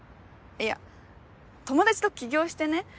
いや友達と起業してね